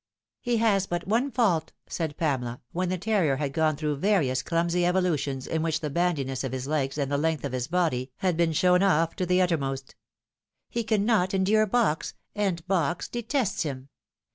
" He has but one fault," said Pamela, when the terrier had gone through various clumsy evolutions in which the bandi nws of his legs and the length of his body had been shown off to the uttermost. " He cannot endure Box, and Box detests him.